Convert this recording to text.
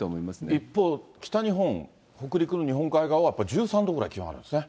一方、北日本、北陸の日本海側はこれ１３度ぐらい気温あるんですね。